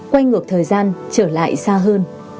quay ngược thời gian trở lại xa hơn